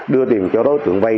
đưa tiền cho đối tượng vay